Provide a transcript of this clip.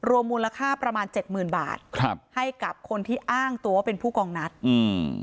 มูลค่าประมาณเจ็ดหมื่นบาทครับให้กับคนที่อ้างตัวว่าเป็นผู้กองนัดอืม